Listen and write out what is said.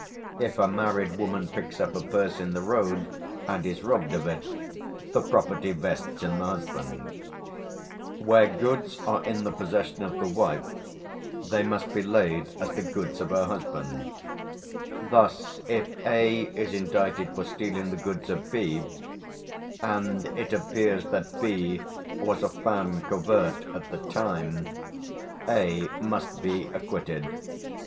If a married woman picks up a purse in the road and is robbed of it, the property vests in the husband: "Where goods are in the possession of the wife, they must be laid as the goods of her husband; thus, if A is indicted for stealing the goods of B, and it appears that B was a feme covert at the time, A must be acquitted.